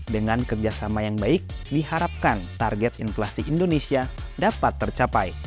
dengan kerjasama yang baik diharapkan target inflasi indonesia dapat tercapai